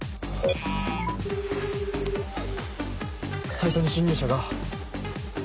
サイトに侵入者が。